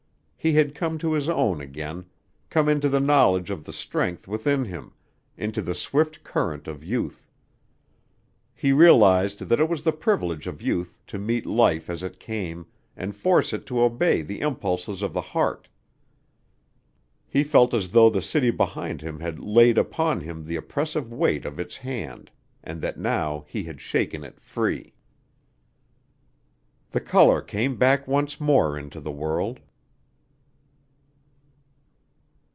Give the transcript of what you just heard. He had come to his own again, come into the knowledge of the strength within him, into the swift current of youth. He realized that it was the privilege of youth to meet life as it came and force it to obey the impulses of the heart. He felt as though the city behind him had laid upon him the oppressive weight of its hand and that now he had shaken it free. The color came back once more into the world.